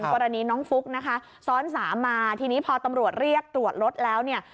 กรณีน้องฟุ๊กนะคะซ้อนสามมาทีนี้พอตำรวจเรียกตรวจรถแล้วเนี่ย